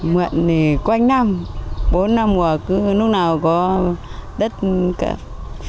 mượn thì quanh năm bốn năm qua lúc nào có đất phai